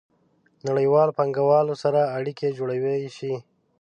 نړیوالو پانګوالو سره اړیکې جوړې شي.